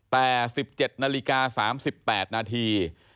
แต่๑๗นาฬิกา๓๘นาที